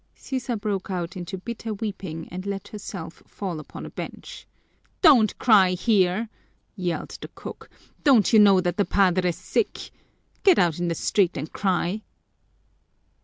Sisa broke out into bitter weeping and let herself fall upon a bench. "Don't cry here!" yelled the cook. "Don't you know that the padre's sick? Get out in the street and cry!"